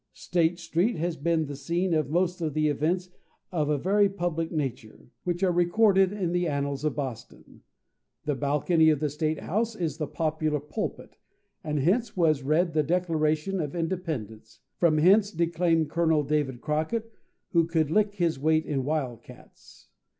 State Street has been the scene of most of the events of a very public nature, which are recorded in the annals of Boston. The balcony of the State House is the popular pulpit, and hence was read the Declaration of Independence, and from hence declaimed Colonel David Crockett, who "could lick his weight in wild cats."